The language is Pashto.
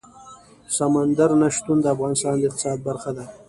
سمندر نه شتون د افغانستان د اقتصاد برخه ده.